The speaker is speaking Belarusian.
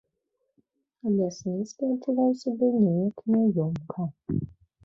Лясніцкі адчуваў сябе неяк няёмка.